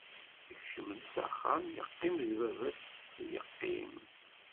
Ikcem-d s axxam yeqqim-d baba-s yeqqim.